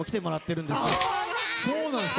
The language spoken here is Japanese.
そうなんです！